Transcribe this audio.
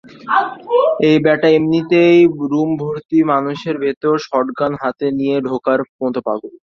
এই ব্যাটা এমনিতেই রুমভর্তি মানুষের ভেতর শটগান হাতে নিয়ে ঢোকার মতো পাগল।